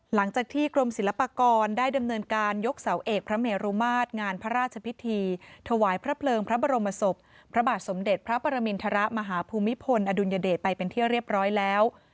หลังจากที่กรมศิลปากรได้ดำเนินการยกเสาเอกพระเมรุมาตรงานพระราชพิธีถวายพระเพลิงพระบรมศพพระบาทสมเด็จพระปรมินทรมาฮภูมิพลอดุลยเดชไปเป็นที่เรียบร้อยแล้ว